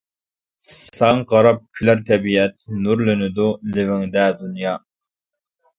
ساڭا قاراپ كۈلەر تەبىئەت، نۇرلىنىدۇ لېۋىڭدە دۇنيا.